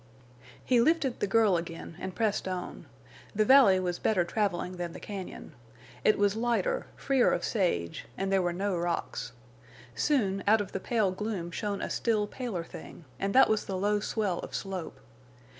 He lifted the girl again and pressed on. The valley afforded better traveling than the cañon. It was lighter, freer of sage, and there were no rocks. Soon, out of the pale gloom shone a still paler thing, and that was the low swell of slope.